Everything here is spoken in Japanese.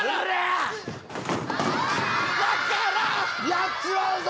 やっちまうぞ！